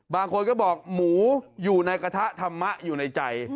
บางคนก็บอกหมูอยู่ในกระทะธรรมะอยู่ในใจ